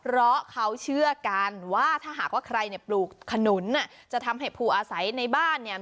เพราะเขาเชื่อกันว่าถ้าหากว่าใครเนี่ยปลูกขนุนจะทำให้ผู้อาศัยในบ้านเนี่ย